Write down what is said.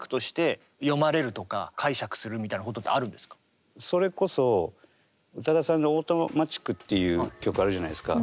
結構それこそ宇多田さんが「Ａｕｔｏｍａｔｉｃ」っていう曲あるじゃないですか。